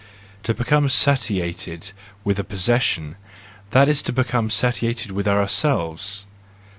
To become satiated with a possession, that is to become satiated with ourselves.